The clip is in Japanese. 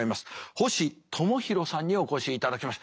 星友啓さんにお越しいただきました。